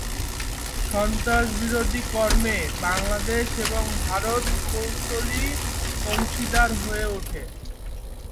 সন্ত্রাস বিরোধী কর্মে বাংলাদেশ এবং ভারত কৌশলী অংশীদার হয়ে উঠে।